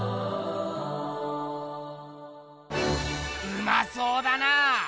うまそうだな！